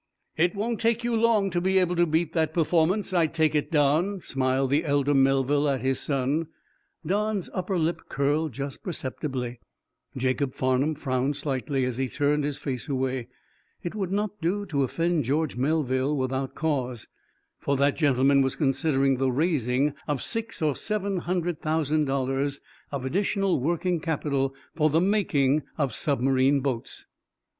"It won't take you long to be able to beat that performance, I take it, Don," smiled the elder Melville at his Son. Don's upper lip curled just perceptibly. Jacob Farnum frowned slightly, as he turned his face away. It would not do to offend George Melville without cause, for that gentleman was considering the raising of six or seven hundred thousand dollars of additional working capital for the making of submarine boats.